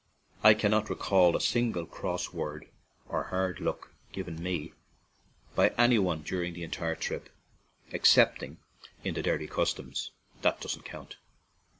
I cannot recall a single cross word or hard look given me by any one during the entire trip, excepting in the Derry Customs, and that doesn't count.